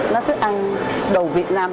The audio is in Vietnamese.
nó thích ăn đồ việt nam